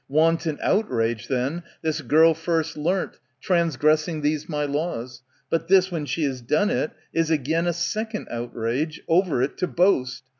Wanton outrage then ^ This girl first learnt, transgressing these my laws ; But this, when she has done it, is again A second outrage, ove£ it to boast.